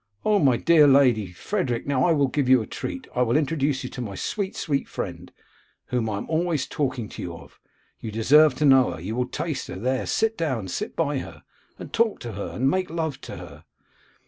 'Oh! my dear Lady Frederick, now I will give you a treat. I will introduce you to my sweet, sweet friend, whom I am always talking to you of. You deserve to know her; you will taste her; there, sit down, sit by her, and talk to her, and make love to her.